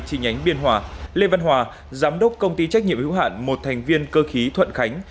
chi nhánh biên hòa lê văn hòa giám đốc công ty trách nhiệm hữu hạn một thành viên cơ khí thuận khánh